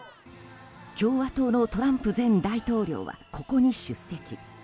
共和党のトランプ前大統領はここに出席。